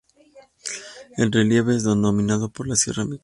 El relieve es dominado por la Sierra Mixteca.